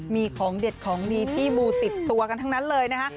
มีของเด็ดของดีที่มูติดตัวกันทั้งนั้นเลยนะคะ